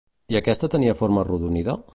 I aquesta tenia forma arrodonida?